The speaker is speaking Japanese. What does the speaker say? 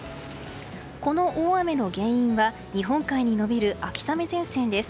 この大雨の原因は日本海に延びる秋雨前線です。